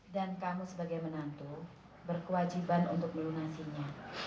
dan kamu sebagai menantu berkewajiban untuk melunasinya